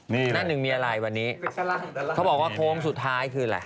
นี่แหละดาลางวันนี้เขาบอกว่าโครงสุดท้ายคืออะไร